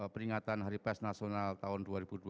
peringatan hari pers nasional tahun dua ribu dua puluh